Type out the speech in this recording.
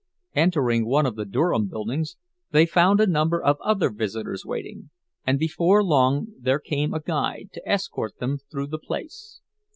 Entering one of the Durham buildings, they found a number of other visitors waiting; and before long there came a guide, to escort them through the place.